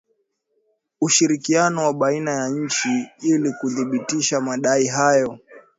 Ushirikiano wa baina ya nchi ili kuthibitisha madai hayo